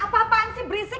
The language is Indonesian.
apa apaan sih berisik